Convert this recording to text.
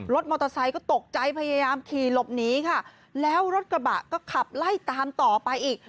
รถมอเตอร์ไซค์ก็ตกใจพยายามขี่หลบหนีค่ะแล้วรถกระบะก็ขับไล่ตามต่อไปอีก